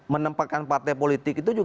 menempatkan partai politik ini